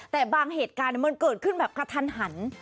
แต่บางเหตุการณ์มันเกิดขึ้นแบบกระทันหัน